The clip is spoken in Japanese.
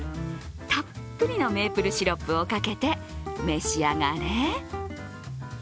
たっぷりのメープルシロップをかけて召し上がれ。